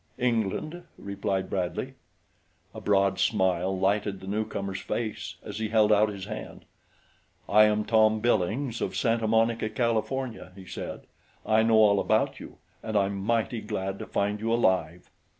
"England," replied Bradley. A broad smile lighted the newcomer's face as he held out his hand. "I am Tom Billings of Santa Monica, California," he said. "I know all about you, and I'm mighty glad to find you alive."